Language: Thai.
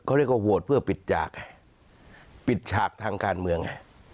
เขาเรียกว่าโหวตเพื่อปิดฉากปิดฉากทางการเมืองไง